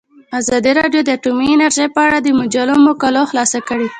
ازادي راډیو د اټومي انرژي په اړه د مجلو مقالو خلاصه کړې.